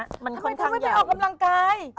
ทำไมไม่ได้ออกกำลังกาย